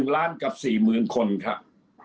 ๑ล้านกับ๔หมื่นคนครับ